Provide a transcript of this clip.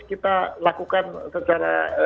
kita lakukan secara